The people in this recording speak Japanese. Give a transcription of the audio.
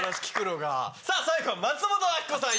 最後は松本明子さん